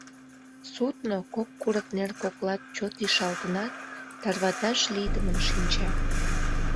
— Судно, кок курыкнер коклат чот ишалтынат, тарваташ лийдымын шинча.